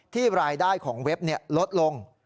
รายได้ของเว็บลดลง